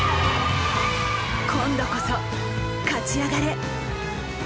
今度こそ勝ち上がれ！